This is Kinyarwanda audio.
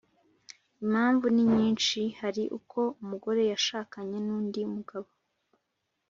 impamvu ni nyishi, hari uko umugore yashakanye n’undi mugabo,